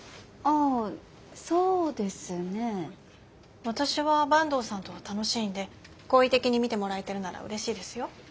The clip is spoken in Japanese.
あそうですね。私は坂東さんとは楽しいんで好意的に見てもらえてるならうれしいですよ。